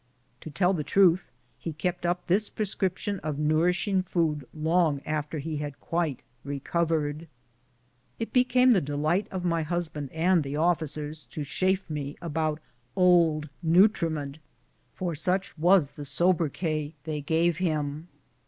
To tell the truth, he kept up this prescription of nourishing food long after he had quite recovered. It became the delight of my husband and the officers to chaff me about " Old Nutriment," for such was the sobriquet they gave him.